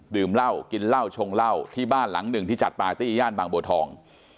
ดื่มเหล้ากินเหล้าชงเหล้าที่บ้านหลังหนึ่งที่จัดปาร์ตี้ย่านบางบัวทอง